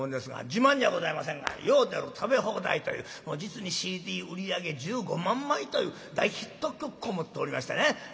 自慢じゃございませんが「ヨーデル食べ放題」という実にＣＤ売り上げ１５万枚という大ヒット曲を持っておりましてね。